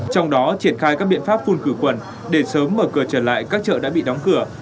trong đó triển khai các biện pháp phun khử quần để sớm mở cửa trở lại các chợ đã bị đóng cửa